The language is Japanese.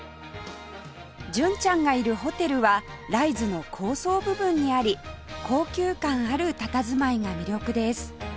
純ちゃんがいるホテルはライズの高層部分にあり高級感あるたたずまいが魅力です